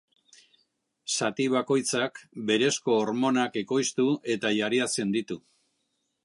Zati bakoitzak berezko hormonak ekoiztu eta jariatzen ditu.